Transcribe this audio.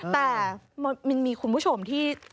แต่มันมีคุณผู้ชมที่